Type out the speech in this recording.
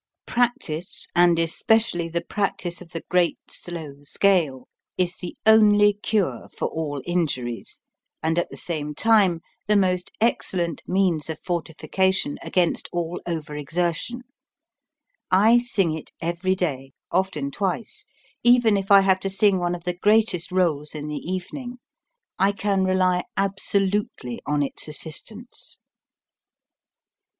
Practice, and especially the practice of the great, slow scale, is the only cure for all in juries, and at the same time the most excel lent means of fortification against all over exertion. I sing it every day, often twice, even if I have to sing one of the greatest roles in the evening. I can rely absolutely on its assistance.